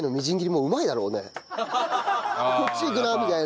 こっち行くなみたいな。